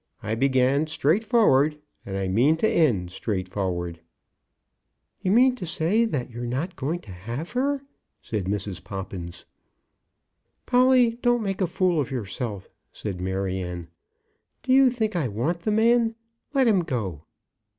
I began straightforward, and I mean to end straightforward." "You mean to say you're not going to have her," said Mrs. Poppins. "Polly, don't make a fool of yourself," said Maryanne. "Do you think I want the man. Let him go."